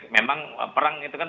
memang perang itu kan